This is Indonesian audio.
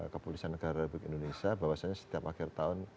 kepolisian negara republik indonesia bahwasanya setiap akhir tahun